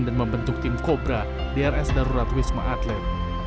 dan membentuk tim kobra drs darurat wisma atlet